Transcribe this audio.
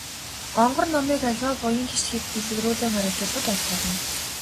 Гонгор номыг аливаа буян хишгийг дэлгэрүүлэн арвижуулахад айлтгуулна.